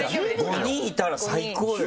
５人いたら最高よ！